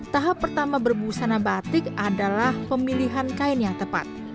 tahap pertama berbusana batik adalah pemilihan kain yang tepat